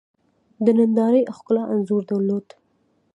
د نندارې ښکلا انځور درلود.